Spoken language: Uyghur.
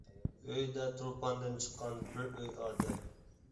ئۆيىدە تۇرپاندىن چىققان بىر ئۆي ئادەم.